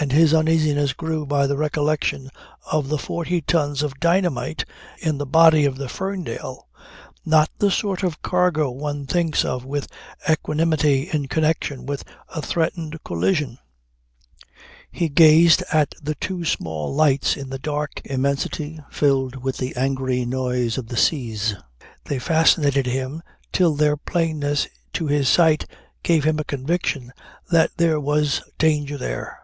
And his uneasiness grew by the recollection of the forty tons of dynamite in the body of the Ferndale; not the sort of cargo one thinks of with equanimity in connection with a threatened collision. He gazed at the two small lights in the dark immensity filled with the angry noise of the seas. They fascinated him till their plainness to his sight gave him a conviction that there was danger there.